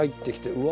うわ！